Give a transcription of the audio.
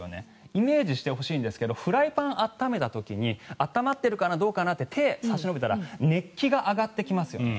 イメージしてほしいんですがフライパンを温めた時に温まっているかなって手を差し伸べたら熱気が上がってきますよね。